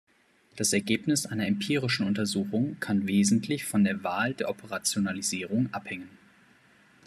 Das Ergebnis einer empirischen Untersuchung kann wesentlich von der Wahl der Operationalisierung abhängen.